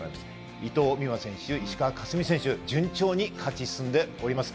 伊藤美誠選手、石川佳純選手、順調に勝ち進んでおります。